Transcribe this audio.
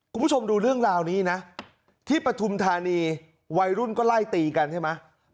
คุณผู้ชมดูเรื่องราวนี้นะที่ปฐุมธานีวัยรุ่นก็ไล่ตีกันใช่ไหม